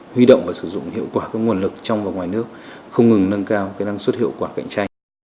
huy động và sử dụng hiệu quả các nguồn lực trong và ngoài nước không ngừng nâng cao năng suất hiệu quả cạnh tranh